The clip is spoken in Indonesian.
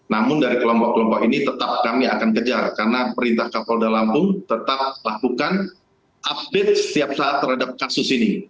namun dari kelompok kelompok ini tetap kami akan kejar karena perintah kapolda lampung tetap lakukan update setiap saat terhadap kasus ini